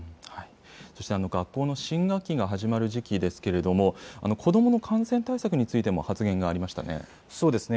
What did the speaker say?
そして学校の新学期が始まる時期ですけれども、子どもの感染対策についても発言がありましたね。